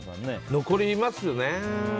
残りますよね。